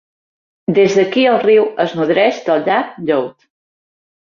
Des d'aquí el riu es nodreix del llac Youd.